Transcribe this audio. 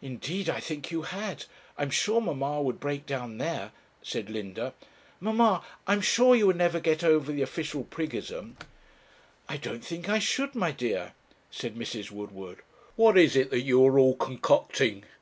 'Indeed, I think you had; I'm sure mamma would break down there,' said Linda. 'Mamma, I'm sure you would never get over the official priggism.' 'I don't think I should, my dear,' said Mrs. Woodward. 'What is it you are all concocting?'